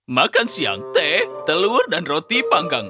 makan siang teh telur dan roti panggang